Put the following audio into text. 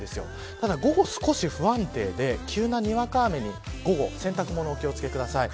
ただ午後少し不安定で急なにわか雨に午後、洗濯物お気を付けください。